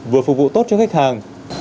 vừa phục vụ tốt cho khách hàng